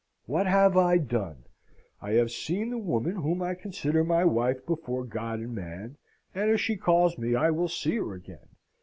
What have I done? I have seen the woman whom I consider my wife before God and man, and if she calls me I will see her again.